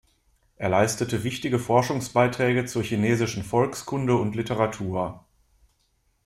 Er leistete wichtige Forschungsbeiträge zur chinesischen Volkskunde und Literatur.